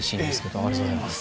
ありがとうございます。